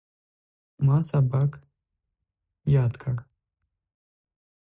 ما سبق یاد کړ.